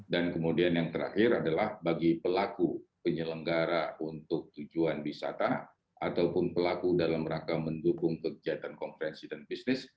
dan kemudian yang terakhir adalah bagi pelaku penyelenggara untuk tujuan wisata ataupun pelaku dalam rangka mendukung kegiatan konferensi dan bisnis